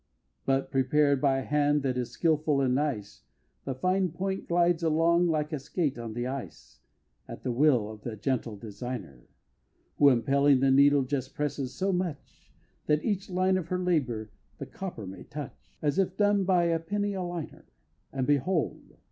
But prepared by a hand that is skilful and nice, The fine point glides along like a skate on the ice, At the will of the Gentle Designer, Who impelling the needle just presses so much, That each line of her labor the copper may touch, As if done by a penny a liner. And behold!